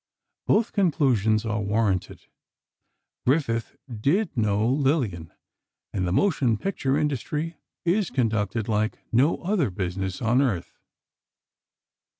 Both conclusions are warranted: Griffith did know Lillian, and the motion picture industry is conducted like no other business on earth.